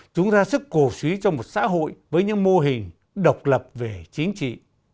chúng ra sức cổ suý trong một xã hội với những mô hình độc lập về chính trị